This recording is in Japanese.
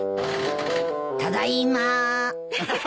ただいま。